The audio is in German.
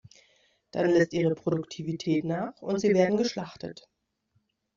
Dann lässt ihre Produktivität nach und sie werden geschlachtet.